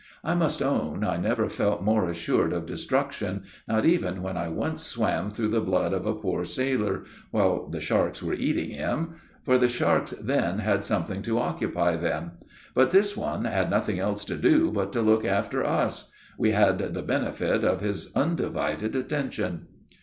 I must own I never felt more assured of destruction, not even when I once swam through the blood of a poor sailor while the sharks were eating him for the sharks then had something to occupy them; but this one had nothing else to do but to look after us we had the benefit of his undivided attention.